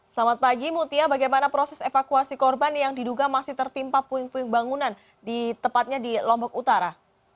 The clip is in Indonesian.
selamat pagi mutia bagaimana proses evakuasi korban yang diduga masih tertimpa puing puing bangunan di tepatnya di lombok utara